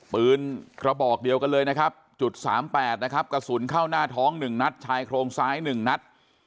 ปืนกระบอกเดียวกันเลยนะครับจุด๓๘นะครับกระสุนเข้าหน้าท้อง๑นัดชายโครงซ้าย๑นัด